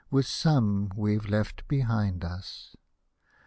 With some we've left behind us